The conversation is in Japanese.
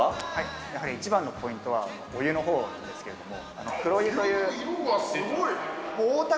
やはり一番のポイントは、お湯のほうなんですけれども、黒湯という。